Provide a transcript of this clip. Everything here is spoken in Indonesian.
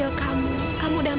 lara bawa tas